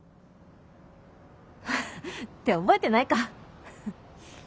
フフって覚えてないか。